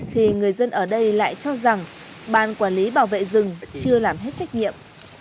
thì người dân ở đây lại cho rằng ban quản lý bảo vệ rừng chưa làm hết trách nhiệm